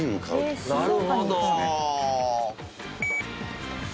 なるほど。